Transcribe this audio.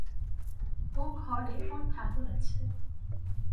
ও ঘরে ওঁর ঠাকুর আছে।